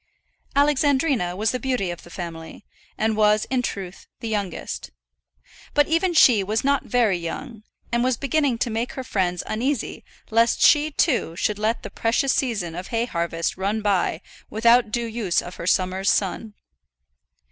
Alexandrina was the beauty of the family, and was in truth the youngest. But even she was not very young, and was beginning to make her friends uneasy lest she, too, should let the precious season of hay harvest run by without due use of her summer's sun.